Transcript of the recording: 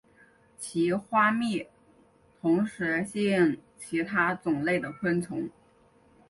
其花蜜同时吸引其他种类的昆虫。